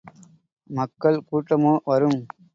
மக்கள் கூட்டமோ வரும்.